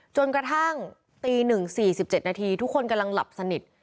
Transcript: จนกระทั่งตี๑๔๗นาทีทุกคนกำลังหลับสนิท